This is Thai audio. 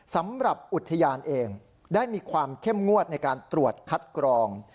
สำหรับอุทยานเองได้มีความเข้มงวดในการตรวจคัดกรอง